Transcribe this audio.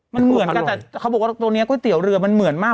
มันเหมือนกันแต่เขาบอกว่าตัวนี้ก๋วยเตี๋ยวเรือมันเหมือนมาก